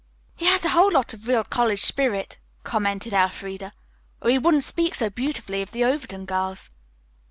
"He has a whole lot of real college spirit," commented Elfreda, "or he couldn't speak so beautifully of the Overton girls."